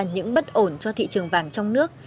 những bất ổn cho thị trường vàng trong nước